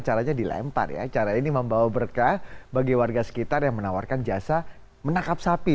caranya dilempar ya cara ini membawa berkah bagi warga sekitar yang menawarkan jasa menangkap sapi